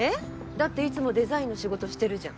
だっていつもデザインの仕事してるじゃん。